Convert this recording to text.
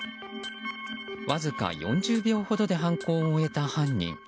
わずか４０秒ほどで犯行を終えた犯人。